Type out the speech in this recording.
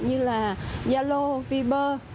như là yalo viber